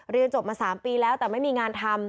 เรียนจบมา๓ปีแล้วแต่ไม่มีงานทำ